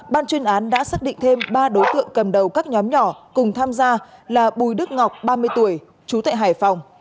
ban chuyên án đã xác định thêm ba đối tượng cầm đầu các nhóm nhỏ cùng tham gia là bùi đức ngọc ba mươi tuổi chú tại hải phòng